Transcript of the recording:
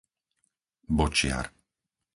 Bočiar